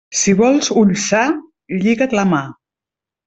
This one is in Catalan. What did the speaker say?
Si vols ull sa, lliga't la mà.